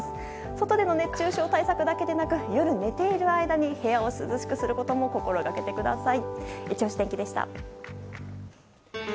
外での熱中症対策だけでなく夜寝ている間に部屋を涼しくすることも心がけてください。